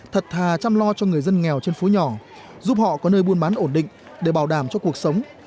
thật thà chăm lo cho người dân nghèo trên phố nhỏ giúp họ có nơi buôn bán ổn định để bảo đảm cho cuộc sống